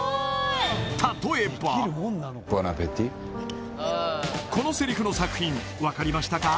例えばこのセリフの作品分かりましたか？